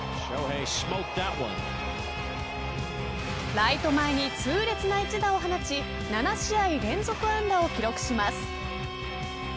ライト前に痛烈な一打を放ち７試合連続安打を記録します。